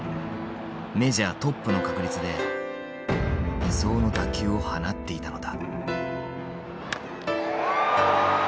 メジャートップの確率で理想の打球を放っていたのだ。